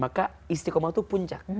maka istiqomah itu puncak